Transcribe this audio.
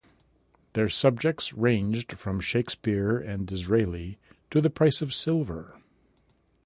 Their subjects ranged from Shakespeare and Disraeli to the price of silver.